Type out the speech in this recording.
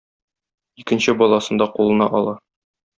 Икенче баласын да кулына ала.